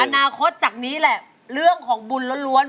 อนาคตจากนี้แหละเรื่องของบุญล้วน